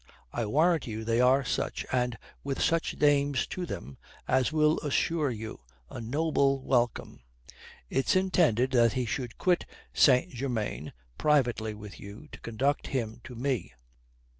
I warrant you they are such, and with such names to them, as will assure you a noble welcome. It's intended that he should quit St. Germain privately with you to conduct him to me.